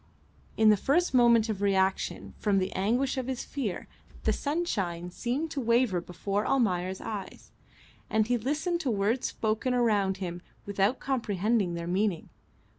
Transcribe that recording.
In the first moment of reaction from the anguish of his fear the sunshine seemed to waver before Almayer's eyes, and he listened to words spoken around him without comprehending their meaning.